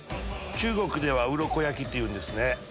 中国ではウロコ焼きっていうんですね。